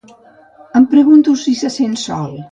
Em pregunto si se sent sol.